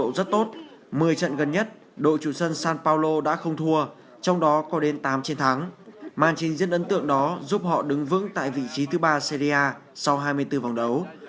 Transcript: đội khách của napoli đã có phong độ rất tốt một mươi trận gần nhất đội chủ sân san paolo đã không thua trong đó có đến tám chiến thắng màn trình diễn ấn tượng đó giúp họ đứng vững tại vị trí thứ ba serie a sau hai mươi bốn vòng đấu